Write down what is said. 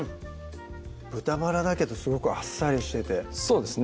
豚バラだけどすごくあっさりしててそうですね